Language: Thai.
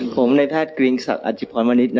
ผมในแพทย์กริงศักดิ์อาจิพรมณิชย์